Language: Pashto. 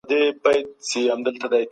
ايا تاسې تيار ياست؟